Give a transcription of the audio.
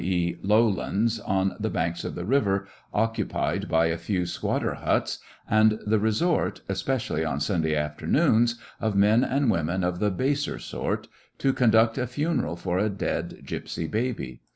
e., low lands on the banks of the river, occupied by a few squatter huts, and the resort, especially on Sunday afternoons, of men and women of the baser sort,— to conduct a funeral for a dead gypsy babe.